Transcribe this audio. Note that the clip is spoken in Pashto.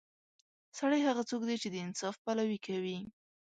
سړی هغه څوک دی چې د انصاف پلوي کوي.